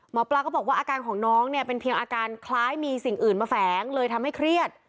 หมอปลาก็บอกว่าอาการของน้องเนี่ยเป็นเพียงอาการคล้ายมีสิ่งอื่นมาแฝงเลยทำให้เครียด